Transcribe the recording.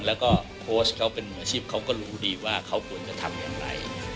แล้วก็โค้ชเขาเป็นมืออาชีพเขาก็รู้ดีว่าเขาควรจะทำอย่างไร